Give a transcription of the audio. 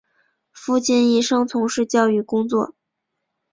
父亲一生从事教育工作。